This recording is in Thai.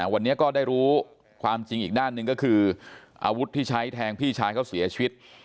วันนี้ก็ได้รู้ความจริงอีกด้านหนึ่งก็คืออาวุธที่ใช้แทงพี่ชายเขาเสียชีวิต